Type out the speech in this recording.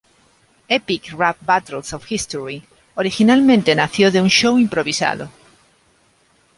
Epic Rap Battles of History originalmente nació de un "show improvisado".